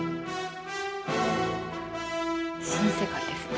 「新世界」ですね。